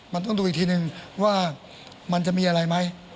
มันต้องดูอีกทีนึงว่ามันจะมีอะไรไหม